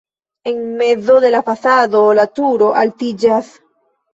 En mezo de la fasado la turo altiĝas.